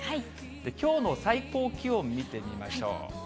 きょうの最高気温見てみましょう。